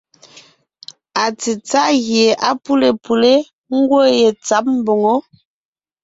Atsetsáʼ gie á pʉ́le pʉlé, ńgwɔ́ yentsǎb mboŋó.